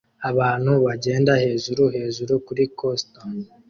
Abantu bagenda hejuru-hejuru kuri coaster